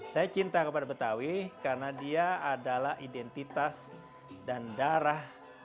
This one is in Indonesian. saya cinta kepada betawi karena dia adalah identitas dan darah